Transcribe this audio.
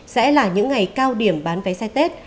sẽ là những ngày cao điểm bán vé xe tết